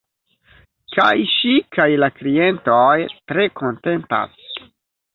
Kaj ŝi kaj la klientoj tre kontentas.